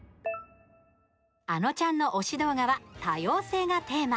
あのちゃんの推し動画は多様性がテーマ。